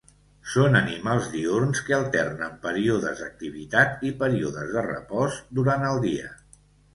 Són animals diürns que alternen períodes d'activitat i períodes de repòs durant el dia.